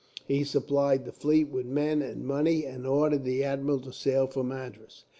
He supplied the fleet with men and money, and ordered the admiral to sail for Madras.